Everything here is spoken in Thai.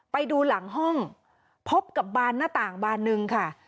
ไปดูหลังห้องพบกับบานหน้าต่างบานหนึ่งค่ะ